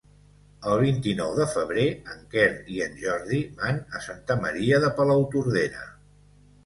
El vint-i-nou de febrer en Quer i en Jordi van a Santa Maria de Palautordera.